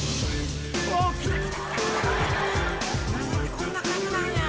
こんな感じなんや。